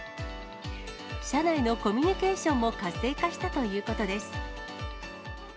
社内のコミュニケーションも活性化したということです。